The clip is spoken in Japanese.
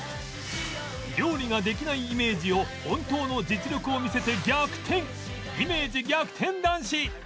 料理ができないイメージを本当の実力を見せて逆転イメージ逆転男子